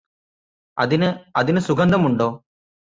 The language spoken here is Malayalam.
അതിന് അതിന് സുഗന്ധമുണ്ടോ